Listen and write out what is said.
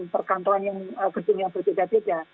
perkantoran yang gedung yang berbeda beda